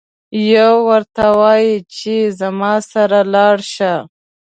یو ورته وایي چې زما سره لاړشه.